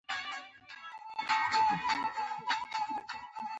انځور صاحب پوښتنه وکړه چې تاسې څو کیسې لوستي.